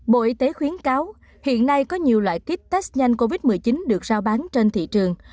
bộ y tế khuyến cáo hiện nay có nhiều loại kit test nhanh covid một mươi chín được giao bán trên thị trường